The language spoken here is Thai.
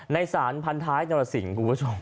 ในสารพันธาให้เงาลสิงคุณผู้ชม